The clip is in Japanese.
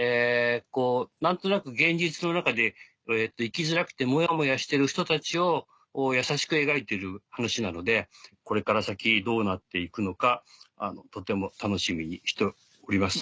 何となく現実の中で生きづらくてモヤモヤしている人たちを優しく描いてる話なのでこれから先どうなって行くのかとても楽しみにしております。